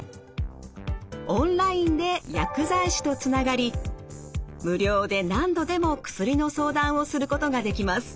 オンラインで薬剤師とつながり無料で何度でも薬の相談をすることができます。